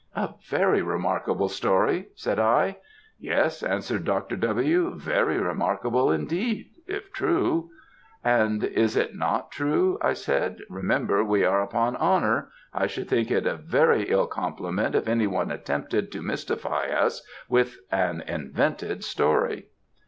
"A very remarkable story," said I. "Yes," answered Dr. W. "very remarkable indeed, if true." "And is it not true," I said, "remember, we are upon honour; I should think it a very ill compliment if any one attempted to mystify us with an invented story."